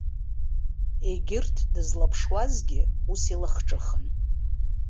Егьырҭ дызлаԥшуазгьы ус илахҿыхын.